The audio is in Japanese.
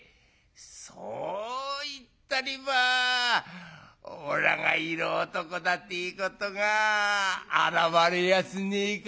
そう言ったればおらが色男だっていうことがあらわれやしねえか」。